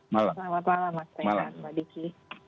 selamat malam pak diki